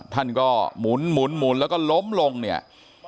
ท่านก็หมุนแล้วก็ล้มลงเนี่ย